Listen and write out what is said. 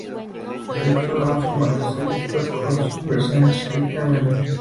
Estos son los formatos y listas con sus versiones respectivamente de "Be My Lover".